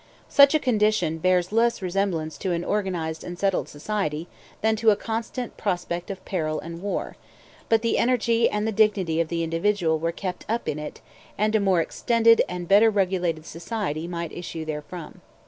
Such a condition bears less resemblance to an organized and settled society than to a constant prospect of peril and war; but the energy and the dignity of the individual were kept up in it, and a more extended and better regulated society might issue therefrom.